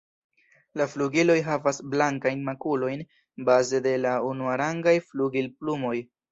La flugiloj havas blankajn makulojn baze de la unuarangaj flugilplumoj.